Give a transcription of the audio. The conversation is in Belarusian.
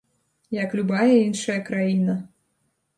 Як любая іншая краіна.